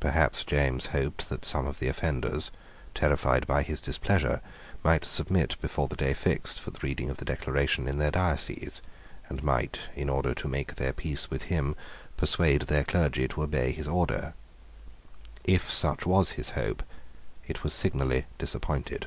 Perhaps James hoped that some of the offenders, terrified by his displeasure, might submit before the day fixed for the reading of the Declaration in their dioceses, and might, in order to make their peace with him, persuade their clergy to obey his order. If such was his hope it was signally disappointed.